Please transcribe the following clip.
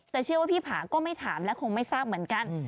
แต่เชื่อว่าพี่ผาก็ไม่ถามและคงไม่ทราบเหมือนกัน